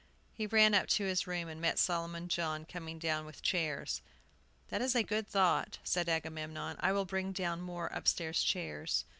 He ran up to his room, and met Solomon John coming down with chairs. "That is a good thought," said Agamemnon. "I will bring down more upstairs chairs."